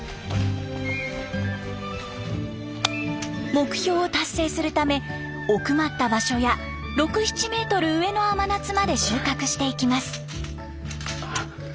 目標を達成するため奥まった場所や６７メートル上の甘夏まで収穫していきます。